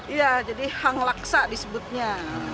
iya jadi hang laksa disebutnya